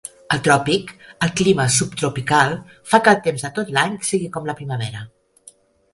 Al tròpic, el clima subtropical fa que el temps de tot l'any sigui com la primavera.